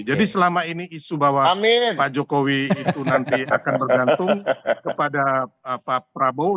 jadi selama ini isu bahwa pak jokowi itu nanti akan bergantung kepada pak prabowo